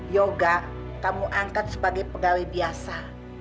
yoga kamu angkat sebagai pegawai biasa